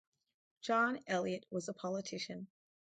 John Elliot was a politician.